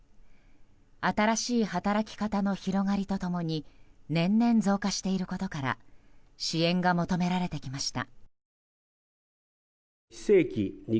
新しい働き方の広がりと共に年々増加していることから支援が求められてきました。